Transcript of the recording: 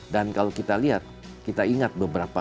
dan kalau kita lihat kita ingat beberapa